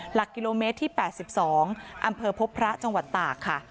หลักกิโลเมตรที่๘๒อำเภอพบพระจังหวัดตากค่ะ